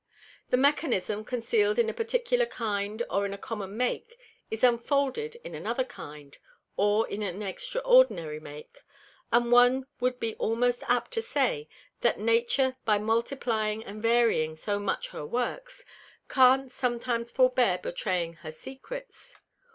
The Mechanism conceal'd in a particular Kind or in a common Make, is unfolded in another kind, or in an extraordinary Make; and one wou'd be almost apt to say, that Nature by multiplying and varying so much her Works, can't sometimes forbear betraying her Secrets.